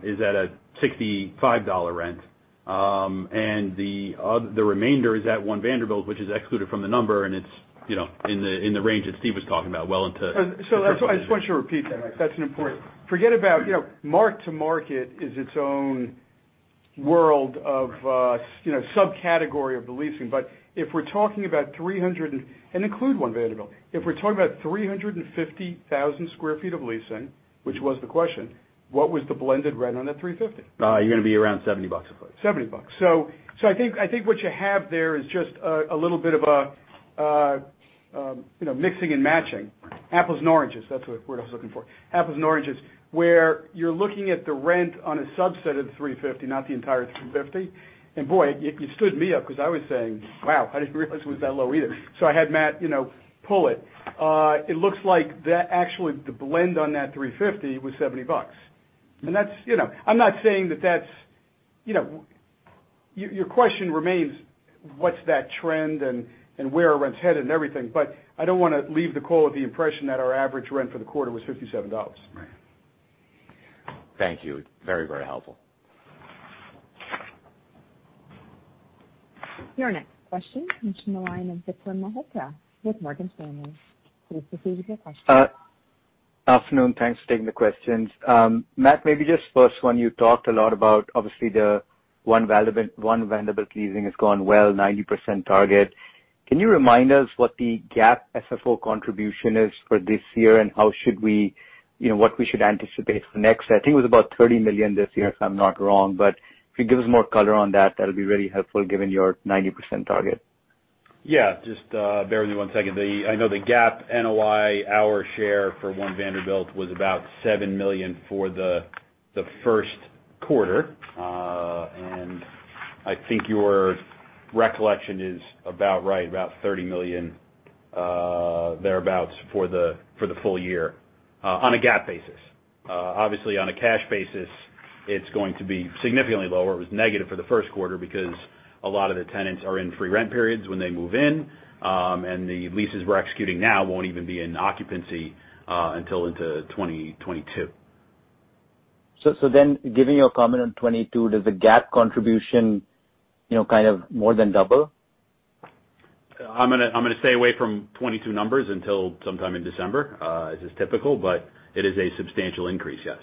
is at a $65 rent. The remainder is at One Vanderbilt, which is excluded from the number, and it's in the range that Steve was talking about, well into- I just want you to repeat that. That's an important, forget about, mark-to-market is its own world of subcategory of the leasing. If we're talking about 300 And include One Vanderbilt. If we're talking about 350,000 square feet of leasing, which was the question, what was the blended rent on the 350? You're going to be around $70, I think. $70. I think what you have there is just a little bit of a mixing and matching, apples and oranges, that's the word I was looking for. Apples and oranges, where you're looking at the rent on a subset of the 350, not the entire 350. Boy, you stood me up because I was saying, "Wow, I didn't realize it was that low either." I had Matt pull it. It looks like actually the blend on that 350 was $70. I'm not saying that that's Your question remains, what's that trend and where are rents headed and everything, but I don't want to leave the call with the impression that our average rent for the quarter was $57. Right. Thank you. Very, very helpful. Your next question comes from the line of Vikram Malhotra with Morgan Stanley. Please proceed with your question. Afternoon, thanks for taking the questions. Matt, maybe just first one, you talked a lot about, obviously, the One Vanderbilt leasing has gone well, 90% target. Can you remind us what the GAAP FFO contribution is for this year, and what we should anticipate for next? I think it was about $30 million this year, if I'm not wrong, but if you give us more color on that'll be very helpful given your 90% target. Yeah. Just bear with me one second. I know the GAAP NOI, our share for One Vanderbilt was about $7 million for the first quarter. I think your recollection is about right, about $30 million thereabouts for the full year on a GAAP basis. Obviously, on a cash basis, it's going to be significantly lower. It was negative for the first quarter because a lot of the tenants are in free rent periods when they move in. The leases we're executing now won't even be in occupancy until into 2022. Given your comment on 2022, does the GAAP contribution more than double? I'm going to stay away from 2022 numbers until sometime in December. It is typical, but it is a substantial increase, yes.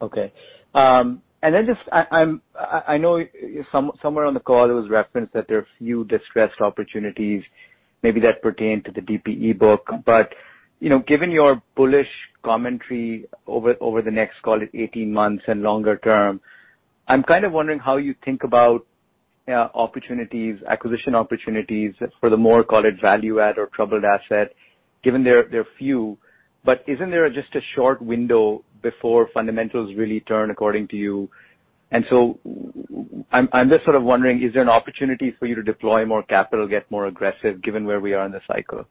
Okay. Just, I know somewhere on the call it was referenced that there are few distressed opportunities, maybe that pertain to the DPE book. Given your bullish commentary over the next, call it 18 months and longer term, I'm kind of wondering how you think about acquisition opportunities for the more, call it, value add or troubled asset, given they're few. Isn't there just a short window before fundamentals really turn according to you? I'm just sort of wondering, is there an opportunity for you to deploy more capital, get more aggressive, given where we are in the cycle?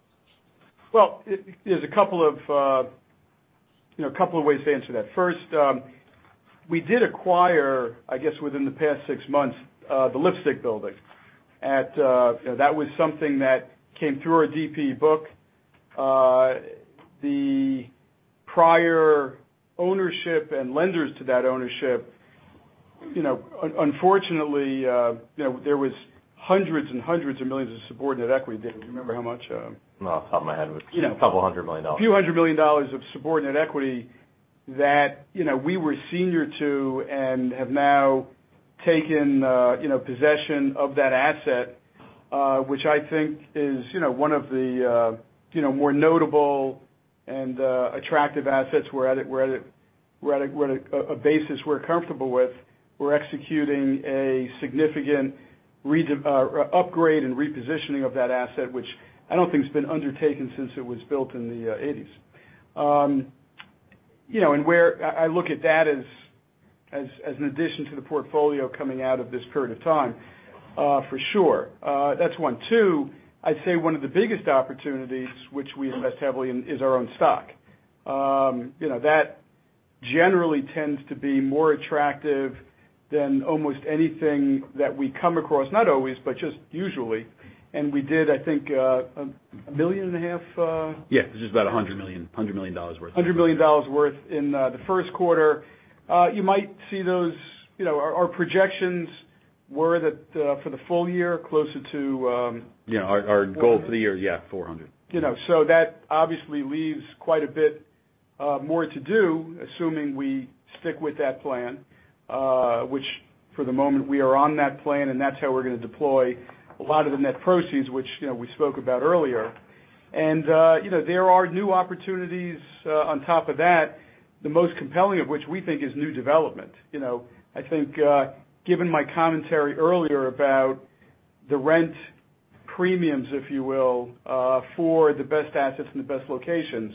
Well, there's a couple of ways to answer that. First, we did acquire, I guess within the past six months, the Lipstick Building. That was something that came through our DPE book. The prior ownership and lenders to that ownership, unfortunately there was hundreds and hundreds of millions of subordinate equity. Do you remember how much? No. Off the top of my head it was a couple hundred million dollars. A few hundred million dollars of subordinate equity that we were senior to and have now taken possession of that asset, which I think is one of the more notable and attractive assets. We're at a basis we're comfortable with. We're executing a significant upgrade and repositioning of that asset, which I don't think has been undertaken since it was built in the 1980s. I look at that as an addition to the portfolio coming out of this period of time, for sure. That's one. Two, I'd say one of the biggest opportunities, which we invest heavily in, is our own stock. That generally tends to be more attractive than almost anything that we come across. Not always, but just usually. We did, I think, a million and a half? Yeah, it was about $100 million worth. $100 million worth in the first quarter. You might see our projections were that for the full year. Yeah, our goal for the year, yeah, $400. That obviously leaves quite a bit more to do, assuming we stick with that plan, which for the moment, we are on that plan, and that's how we're going to deploy a lot of the net proceeds, which we spoke about earlier. There are new opportunities on top of that, the most compelling of which we think is new development. I think given my commentary earlier about the rent. premiums, if you will, for the best assets in the best locations.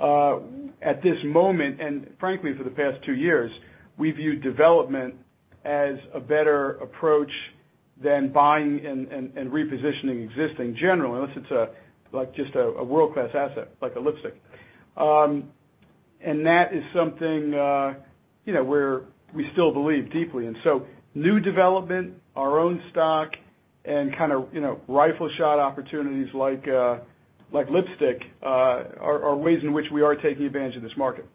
At this moment, and frankly, for the past two years, we viewed development as a better approach than buying and repositioning existing, generally, unless it is just a world-class asset, like a Lipstick. That is something where we still believe deeply. New development, our own stock, and kind of rifle shot opportunities like Lipstick, are ways in which we are taking advantage of this market.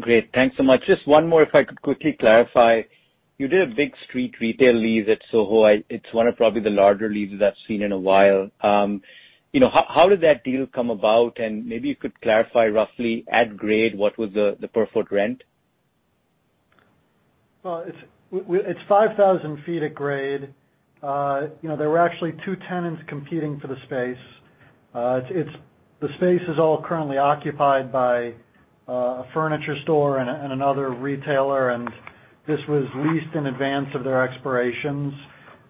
Great. Thanks so much. Just one more, if I could quickly clarify. You did a big street retail lease at SoHo. It's one of probably the larger leases I've seen in a while. How did that deal come about? Maybe you could clarify roughly, at grade, what was the per foot rent? Well, it's 5,000 feet at grade. There were actually two tenants competing for the space. The space is all currently occupied by a furniture store and another retailer. This was leased in advance of their expirations.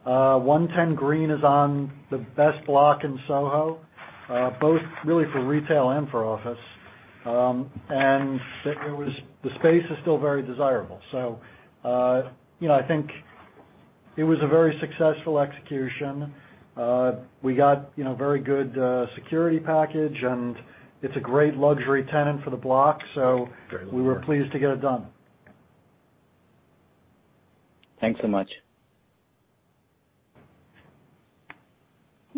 110 Greene is on the best block in SoHo, both really for retail and for office. The space is still very desirable. I think it was a very successful execution. We got very good security package, and it's a great luxury tenant for the block, so we were pleased to get it done. Thanks so much.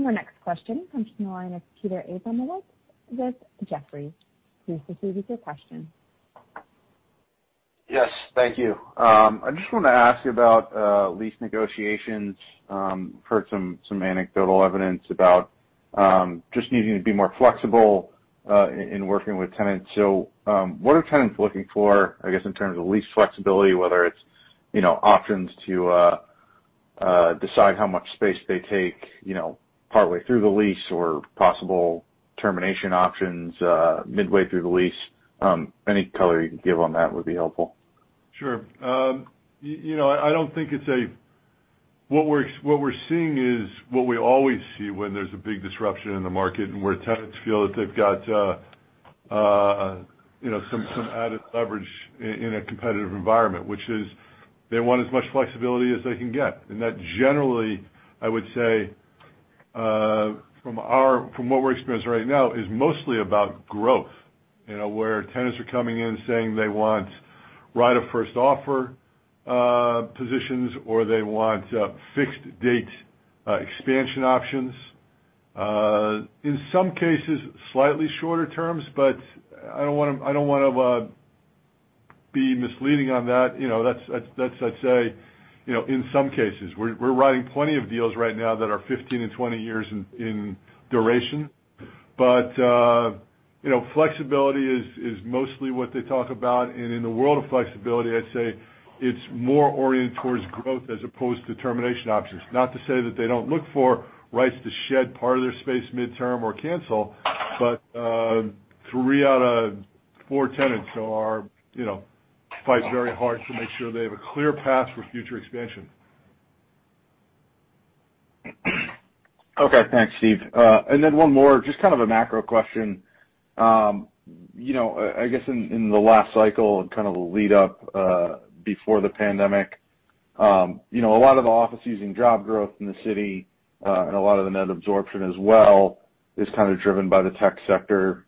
Our next question comes from the line of Peter Abramowitz with Jefferies. Please proceed with your question. Yes, thank you. I just want to ask you about lease negotiations. Heard some anecdotal evidence about just needing to be more flexible in working with tenants. What are tenants looking for, I guess, in terms of lease flexibility, whether it's options to decide how much space they take partly through the lease or possible termination options midway through the lease? Any color you can give on that would be helpful. Sure. What we're seeing is what we always see when there's a big disruption in the market and where tenants feel that they've got some added leverage in a competitive environment, which is they want as much flexibility as they can get. That generally, I would say, from what we're experiencing right now, is mostly about growth, where tenants are coming in saying they want right of first offer positions, or they want fixed date expansion options. In some cases, slightly shorter terms, but I don't want to be misleading on that. That's, I'd say, in some cases. We're writing plenty of deals right now that are 15 and 20 years in duration. Flexibility is mostly what they talk about. In the world of flexibility, I'd say it's more oriented towards growth as opposed to termination options. Not to say that they don't look for rights to shed part of their space midterm or cancel, but three out of four tenants fight very hard to make sure they have a clear path for future expansion. Okay. Thanks, Steve. Then one more, just kind of a macro question. I guess in the last cycle and kind of the lead up before the pandemic, a lot of office using job growth in the city, and a lot of the net absorption as well, is kind of driven by the tech sector,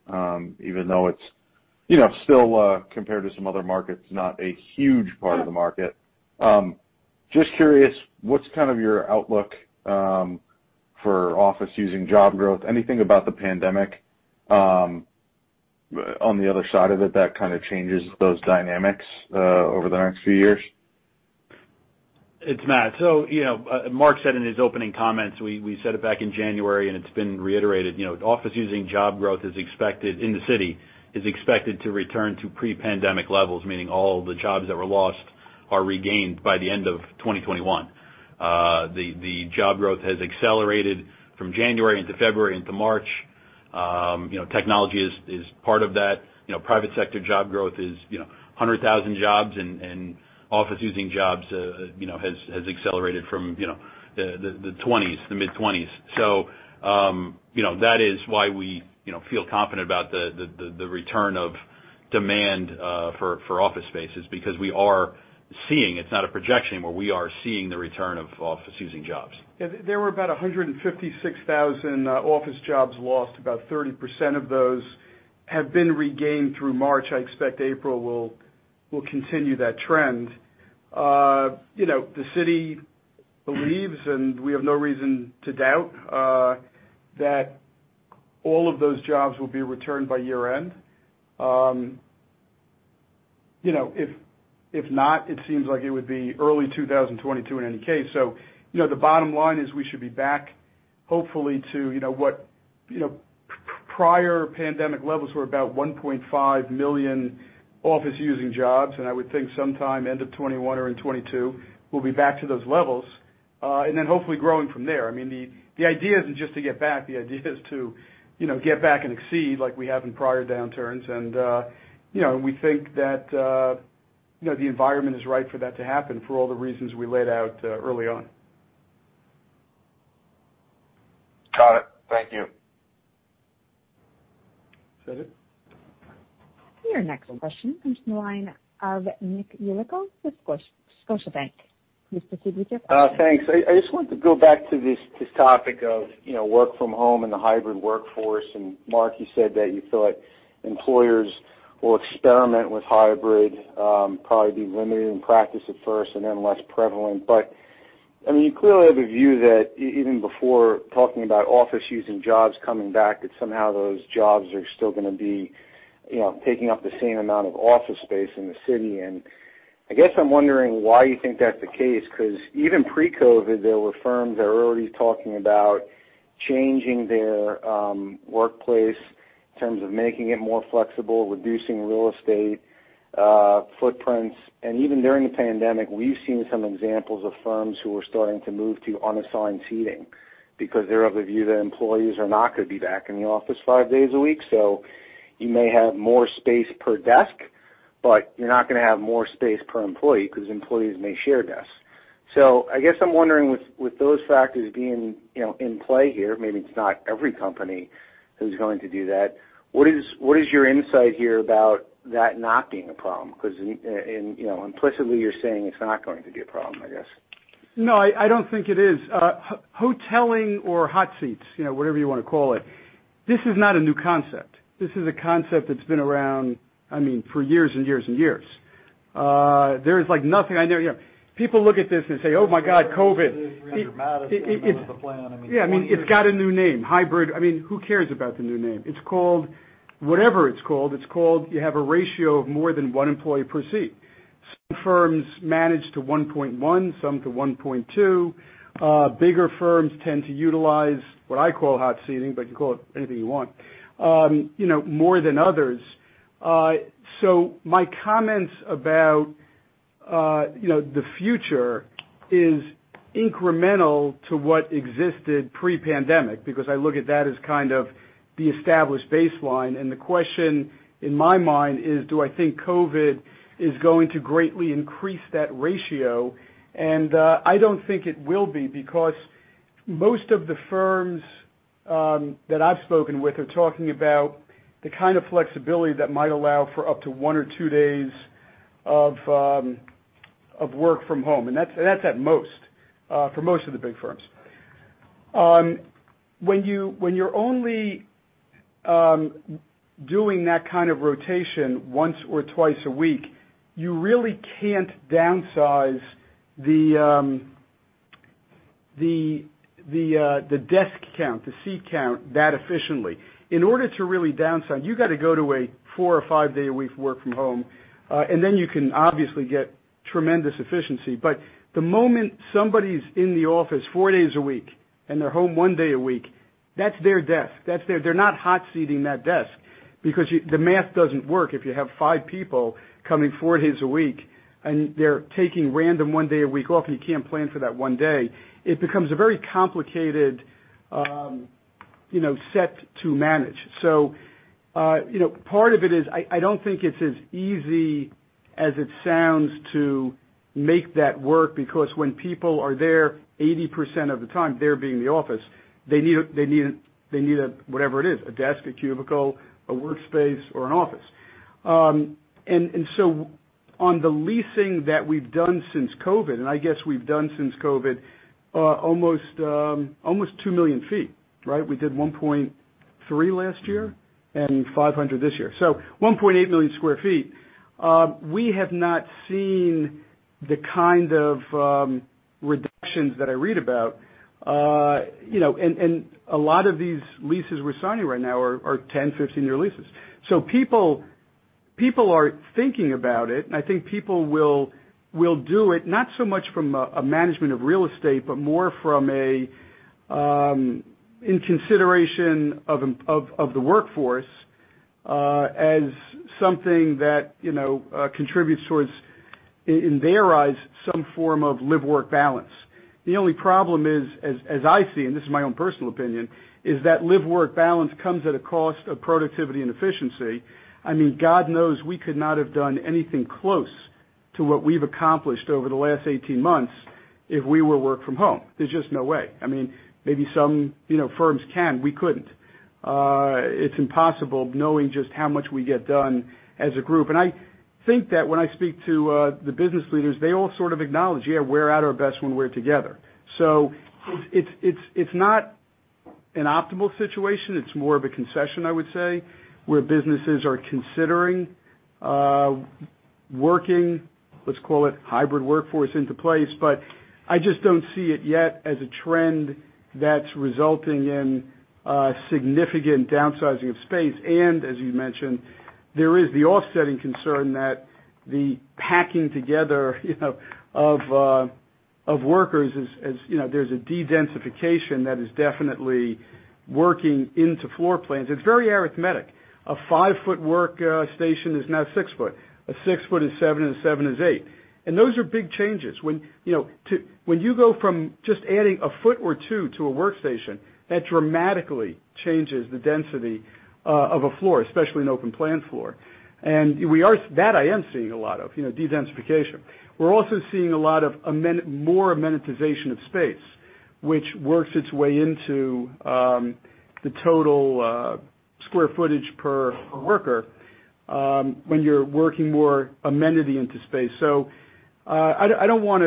even though it's still, compared to some other markets, not a huge part of the market. Just curious, what's kind of your outlook for office using job growth? Anything about the pandemic on the other side of it that kind of changes those dynamics over the next few years? It's Matt. Marc said in his opening comments, we said it back in January, and it's been reiterated. Office using job growth in the city is expected to return to pre-pandemic levels, meaning all the jobs that were lost are regained by the end of 2021. The job growth has accelerated from January into February into March. Technology is part of that. Private sector job growth is 100,000 jobs, and office using jobs has accelerated from the mid-20s. That is why we feel confident about the return of demand for office spaces because we are seeing, it's not a projection anymore, we are seeing the return of office using jobs. Yeah. There were about 156,000 office jobs lost. About 30% of those have been regained through March. I expect April will continue that trend. The city believes, and we have no reason to doubt, that all of those jobs will be returned by year-end. If not, it seems like it would be early 2022 in any case. The bottom line is we should be back hopefully to what prior pandemic levels were about 1.5 million office using jobs, and I would think sometime end of 2021 or in 2022, we'll be back to those levels. Hopefully growing from there. The idea isn't just to get back. The idea is to get back and exceed like we have in prior downturns. We think that The environment is right for that to happen for all the reasons we laid out early on. Got it. Thank you. Is that it? Your next question comes from the line of Nick Yulico with Scotiabank. Please proceed with your question. Thanks. I just wanted to go back to this topic of work from home and the hybrid workforce. Marc, you said that you feel like employers will experiment with hybrid, probably be limited in practice at first and then less prevalent. You clearly have a view that even before talking about office using jobs coming back, that somehow those jobs are still going to be taking up the same amount of office space in the city. I guess I'm wondering why you think that's the case, because even pre-COVID, there were firms that were already talking about changing their workplace in terms of making it more flexible, reducing real estate footprints. Even during the pandemic, we've seen some examples of firms who are starting to move to unassigned seating because they're of the view that employees are not going to be back in the office five days a week. You may have more space per desk, but you're not going to have more space per employee because employees may share desks. I guess I'm wondering with those factors being in play here, maybe it's not every company who's going to do that. What is your insight here about that not being a problem? Because implicitly, you're saying it's not going to be a problem, I guess. No, I don't think it is. Hoteling or hot seats, whatever you want to call it, this is not a new concept. This is a concept that's been around for years and years and years. There is like nothing. People look at this and say, "Oh, my God, COVID." Yeah. It's got a new name, hybrid. Who cares about the new name? It's called whatever it's called. It's called you have a ratio of more than one employee per seat. Some firms manage to 1.1, some to 1.2. Bigger firms tend to utilize what I call hot seating, but you can call it anything you want, more than others. My comments about the future is incremental to what existed pre-pandemic, because I look at that as kind of the established baseline. The question in my mind is, do I think COVID is going to greatly increase that ratio? I don't think it will be, because most of the firms that I've spoken with are talking about the kind of flexibility that might allow for up to one or two days of work from home. That's at most for most of the big firms. When you're only doing that kind of rotation once or twice a week, you really can't downsize the desk count, the seat count that efficiently. In order to really downsize, you got to go to a four or five-day a week work from home, and then you can obviously get tremendous efficiency. The moment somebody's in the office four days a week and they're home one day a week, that's their desk. They're not hot seating that desk because the math doesn't work if you have five people coming four days a week, and they're taking random one day a week off, and you can't plan for that one day. It becomes a very complicated set to manage. Part of it is, I don't think it's as easy as it sounds to make that work, because when people are there 80% of the time, they're in the office, they need whatever it is, a desk, a cubicle, a workspace, or an office. On the leasing that we've done since COVID, I guess we've done since COVID almost two million sq ft. We did 1.3 last year and 500 this year. 1.8 million sq ft. We have not seen the kind of reductions that I read about. A lot of these leases we're signing right now are 10, 15-year leases. People are thinking about it, and I think people will do it not so much from a management of real estate, but more from a, in consideration of the workforce as something that contributes towards, in their eyes, some form of live-work balance. The only problem is, as I see, and this is my own personal opinion, is that live-work balance comes at a cost of productivity and efficiency. God knows we could not have done anything close to what we've accomplished over the last 18 months if we were work from home. There's just no way. Maybe some firms can. We couldn't. It's impossible knowing just how much we get done as a group. I think that when I speak to the business leaders, they all sort of acknowledge, yeah, we're at our best when we're together. It's not an optimal situation. It's more of a concession, I would say, where businesses are considering working, let's call it hybrid workforce into place. I just don't see it yet as a trend that's resulting in significant downsizing of space. As you mentioned, there is the offsetting concern that the packing together of workers is there's a de-densification that is definitely working into floor plans. It's very arithmetic. A five-foot workstation is now six foot. A six foot is seven, and a seven is eight. Those are big changes. When you go from just adding one foot or two to a workstation, that dramatically changes the density of a floor, especially an open plan floor. That I am seeing a lot of de-densification. We're also seeing a lot of more amenitization of space, which works its way into the total square footage per worker, when you're working more amenity into space. I don't want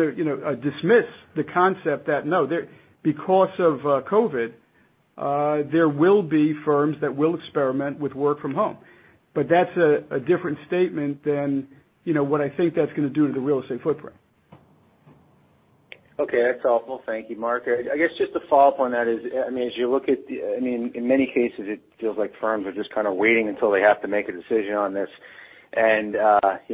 to dismiss the concept that no, because of COVID, there will be firms that will experiment with work from home. That's a different statement than what I think that's going to do to the real estate footprint. Okay. That's helpful. Thank you, Marc. I guess just to follow up on that is, as you look at, in many cases, it feels like firms are just kind of waiting until they have to make a decision on this.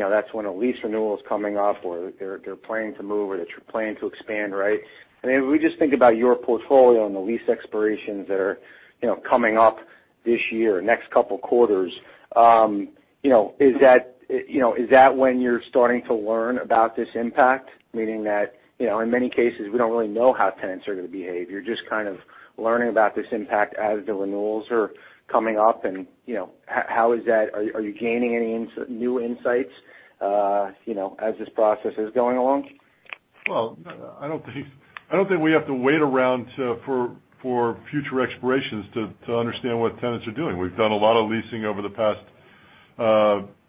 That's when a lease renewal is coming off, or they're planning to move, or that you're planning to expand, right? I mean, we just think about your portfolio and the lease expirations that are coming up this year, next couple quarters. Is that when you're starting to learn about this impact? Meaning that, in many cases, we don't really know how tenants are going to behave. You're just kind of learning about this impact as the renewals are coming up, and how is that? Are you gaining any new insights, as this process is going along? Well, I don't think we have to wait around for future expirations to understand what tenants are doing. We've done a lot of leasing over the past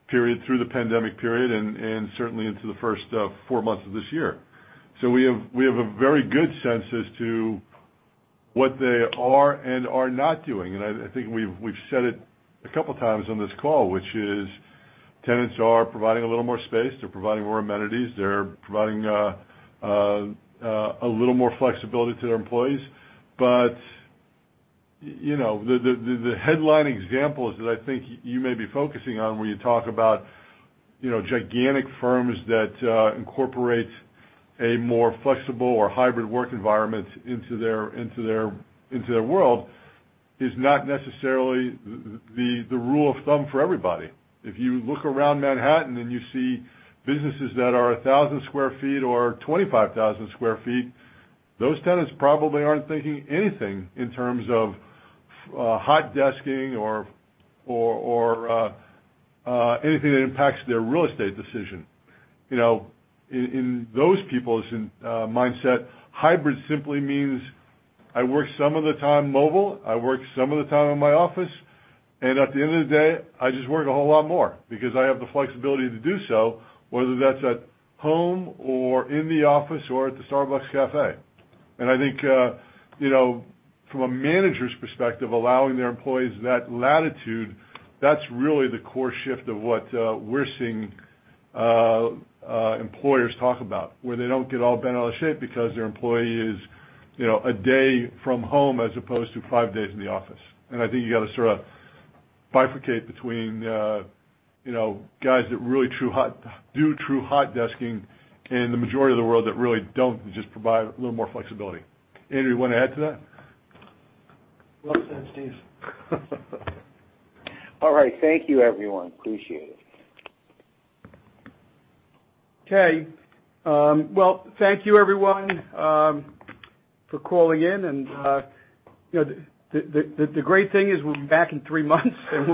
period, through the pandemic period, and certainly into the first four months of this year. We have a very good sense as to what they are and are not doing. I think we've said it a couple times on this call, which is tenants are providing a little more space. They're providing more amenities. They're providing a little more flexibility to their employees. The headline examples that I think you may be focusing on when you talk about gigantic firms that incorporate a more flexible or hybrid work environment into their world is not necessarily the rule of thumb for everybody. If you look around Manhattan and you see businesses that are 1,000 square feet or 25,000 square feet, those tenants probably aren't thinking anything in terms of hot desking or anything that impacts their real estate decision. In those people's mindset, hybrid simply means I work some of the time mobile, I work some of the time in my office, and at the end of the day, I just work a whole lot more because I have the flexibility to do so, whether that's at home or in the office or at the Starbucks cafe. I think, from a manager's perspective, allowing their employees that latitude, that's really the core shift of what we're seeing employers talk about, where they don't get all bent out of shape because their employee is a day from home as opposed to five days in the office. I think you've got to sort of bifurcate between guys that really do true hot desking and the majority of the world that really don't and just provide a little more flexibility. Andrew, you want to add to that? Well said, Steve. All right. Thank you, everyone. Appreciate it. Okay. Well, thank you everyone for calling in. The great thing is we'll be back in three months. That's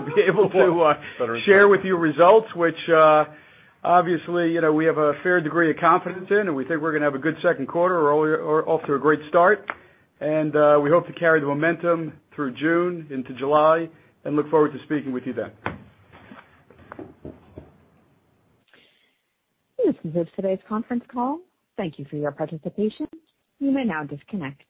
better share with you results, which, obviously, we have a fair degree of confidence in, and we think we're going to have a good second quarter. We're off to a great start. We hope to carry the momentum through June into July, and look forward to speaking with you then. This concludes today's conference call. Thank you for your participation. You may now disconnect.